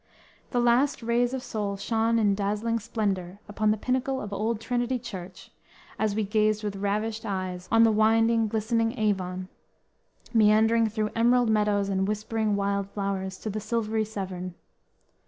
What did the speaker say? The last rays of Sol shone in dazzling splendor upon the pinnacle of old Trinity Church as we gazed with ravished eyes on the winding, glistening Avon, meandering through emerald meadows and whispering wild flowers to the silvery Severn.